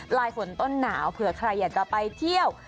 ลายฝนต้นหนาวเผื่อใครอยากจะไปเที่ยว